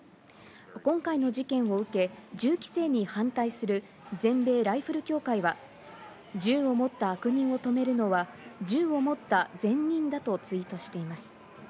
今回の事件を受け、銃規制に反対する全米ライフル協会は、銃を持った悪人を止めるのは銃を持った善人だとツイートしています。